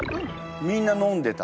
みんな飲んでた。